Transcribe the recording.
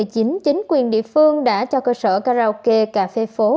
chính quyền địa phương đã cho cơ sở karaoke cà phê phố